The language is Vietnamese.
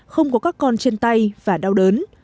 không có các con trên tay và đau đớn